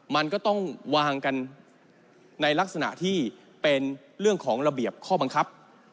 มันก็ต้องวางกันในลักษณะที่เป็นเรื่องของระเบียบข้อบังคับ